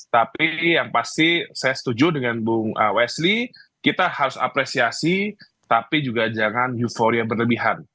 tapi yang pasti saya setuju dengan bung wesli kita harus apresiasi tapi juga jangan euforia berlebihan